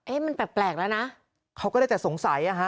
มันแปลกแล้วนะเขาก็ได้จะสงสัยอ่ะฮะ